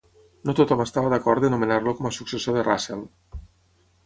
No tothom estava d'acord de nomenar-lo com a successor de Russell.